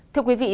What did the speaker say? thưa quý vị